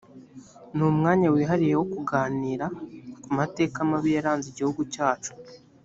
ni umwanya wihariye wo kuganira ku mateka mabi yaranze igihugu cyacu